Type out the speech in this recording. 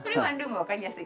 分かりやすい。